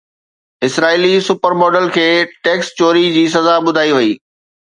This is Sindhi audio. اسرائيلي سپر ماڊل کي ٽيڪس چوري جي سزا ٻڌائي وئي